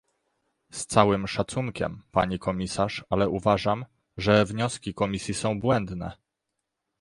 Z całym szacunkiem, pani komisarz, ale uważam, że wnioski Komisji są błędne